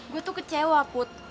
gue tuh kecewa put